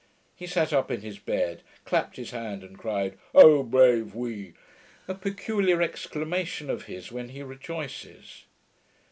He sat up in his bed, clapped his hands, and cried, 'O brave we!' a peculiar exclamation of his when he rejoices.